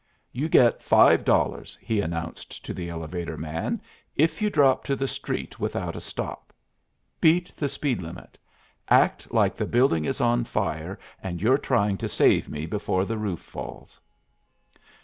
"You get five dollars," he announced to the elevator man, "if you drop to the street without a stop. Beat the speed limit! Act like the building is on fire and you're trying to save me before the roof falls."